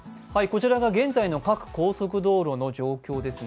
こちらが現在の各高速道路の状況です。